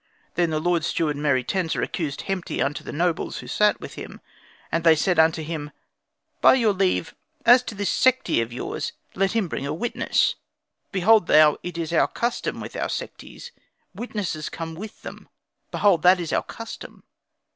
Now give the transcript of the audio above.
Then the Lord Steward Meruitensa accused Hemti unto the nobles who sat with him; and they said unto him, "By your leave: As to this Sekhti of yours, let him bring a witness. Behold thou it is our custom with our Sekhtis; witnesses come with them; behold, that is our custom.